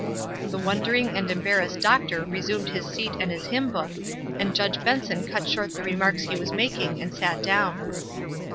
The wondering and embarrassed doctor resumed his seat and his hymn book, and Judge Benson cut short the remarks he was making and sat down.